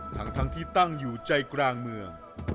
ทั้งที่ตั้งอยู่ใจกลางเมือง